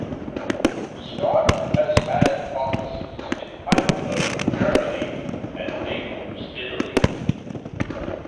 Scott has had offices in Heidelberg, Germany and Naples, Italy.